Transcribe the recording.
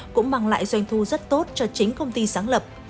cũng mang lại doanh thu rất tốt cho chính công ty sáng lập